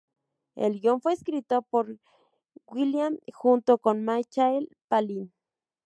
El guion fue escrito por Gilliam junto a Michael Palin.